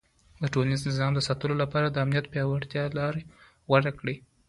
ده د ټولنيز نظم ساتلو لپاره د امنيت پياوړې لارې غوره کړې.